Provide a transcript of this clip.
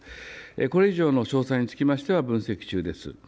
これ以上の詳細につきましては分析中です。